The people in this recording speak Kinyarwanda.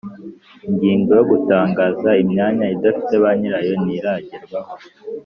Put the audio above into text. ingingo yo gutangaza imyanya idafite banyirayo ntiragerwaho